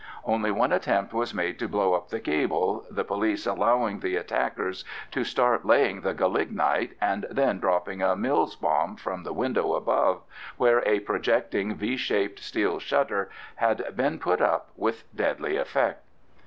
Only one attempt was made to blow up the gable, the police allowing the attackers to start laying the gelignite, and then dropping a Mills bomb from the window above, where a projecting V shaped steel shutter had been put up, with deadly effect.